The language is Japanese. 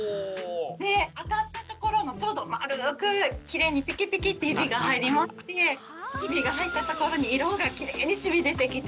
で当たったところのちょうどまるくきれいにピキピキってヒビが入りましてヒビが入ったところに色がきれいに染み出てきて。